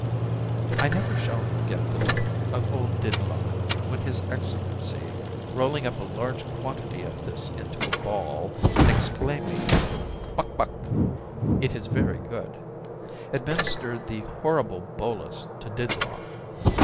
I never shall forget the look of poor Diddloff, when his Excellency, rolling up a large quantity of this into a ball and exclaiming, 'Buk Buk' (it is very good), administered the horrible bolus to Diddloff.